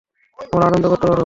আমরা আনন্দ করতে পারব।